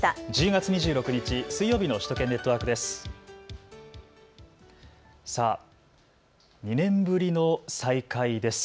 １０月２６日、水曜日の首都圏ネットワークです。